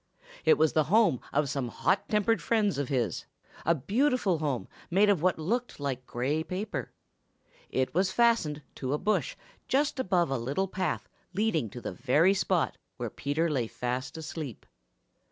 It was the home of some hot tempered friends of his, a beautiful home made of what looked like gray paper. It was fastened to a bush just above a little path leading to the very spot where Peter lay fast asleep.